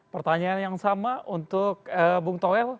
pertanyaan yang sama untuk bung toel